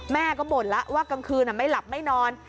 แม่ก็บ่นแล้วว่ากลางคืนไม่หลับไม่นอน